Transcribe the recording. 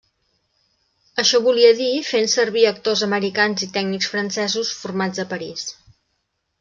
Això volia dir fent servir actors americans i tècnics francesos formats a Paris.